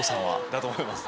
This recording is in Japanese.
だと思います。